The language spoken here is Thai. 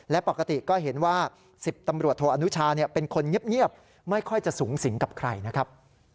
และปกติก็เห็นว่า๑๐ตำรวจโทอนุชาเป็นคนเงียบไม่ค่อยจะสูงสิงกับใครนะครับ